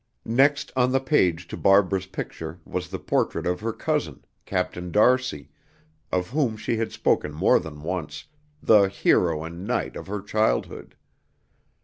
Next on the page to Barbara's picture was the portrait of her cousin, Captain d'Arcy, of whom she had spoken more than once, the "hero and knight" of her childhood.